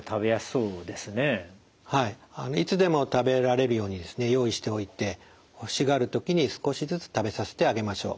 いつでも食べられるように用意しておいて欲しがる時に少しずつ食べさせてあげましょう。